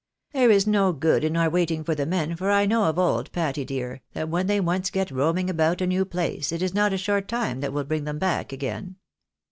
" There is no good in our waiting for the men, for I know of old^. Patty, dear, that when they once get roaming about a new place^ it is not a short time that will bring them back again."